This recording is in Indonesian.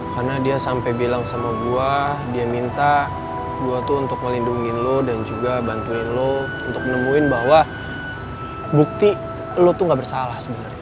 karena dia sampai bilang sama gue dia minta gue tuh untuk melindungi lo dan juga bantuin lo untuk menemuin bahwa bukti lo tuh gak bersalah sebenernya